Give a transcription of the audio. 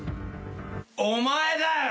お前だよ！